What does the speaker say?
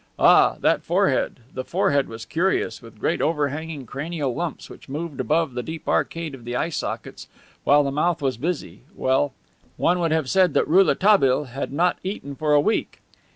Ah, that forehead the forehead was curious, with great over hanging cranial lumps which moved above the deep arcade of the eye sockets while the mouth was busy well, one would have said that Rouletabille had not eaten for a week.